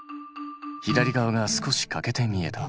左側が少し欠けて見えた。